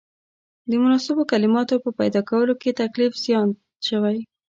د مناسبو کلماتو په پیدا کولو کې تکلیف زیات شوی.